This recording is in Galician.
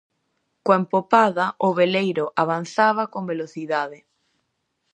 Coa empopada, o veleiro avanzaba con velocidade.